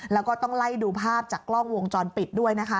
แล้วก็ต้องไล่ดูภาพจากกล้องวงจรปิดด้วยนะคะ